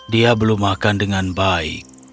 dia belum makan dengan baik